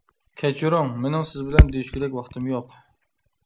— كەچۈرۈڭ، مېنىڭ سىز بىلەن دېيىشكۈدەك ۋاقتىم يوق.